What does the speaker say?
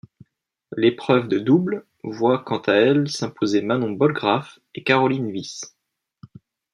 L'épreuve de double voit quant à elle s'imposer Manon Bollegraf et Caroline Vis.